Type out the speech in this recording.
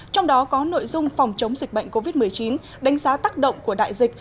trong đó có nội dung phòng chống dịch bệnh covid một mươi chín đánh giá tác động của đại dịch